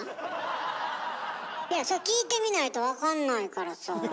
いやそれ聴いてみないとわかんないからさあ。